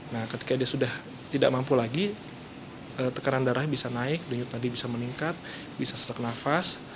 nah ketika dia sudah tidak mampu lagi tekanan darahnya bisa naik denyut nadi bisa meningkat bisa sesek nafas